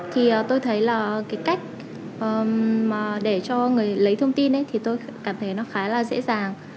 thì tôi thấy là cái cách để cho người lấy thông tin ấy thì tôi cảm thấy nó khá là dễ dàng